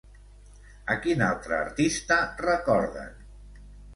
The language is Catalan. A quin altre artista recorden?